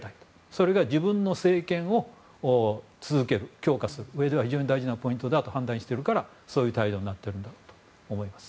それが自分の政権を続ける、強化するうえでは非常に大事なポイントだと判断しているからそういう態度になってるんだと思います。